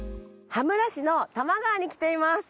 羽村市の多摩川に来ています。